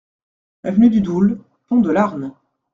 Avenue du Doul, Pont-de-Larn